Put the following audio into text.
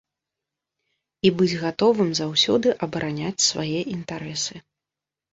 І быць гатовым заўсёды абараняць свае інтарэсы.